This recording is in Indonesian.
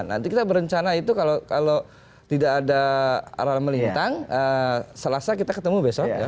nanti kita berencana itu kalau tidak ada aral melintang selasa kita ketemu besok ya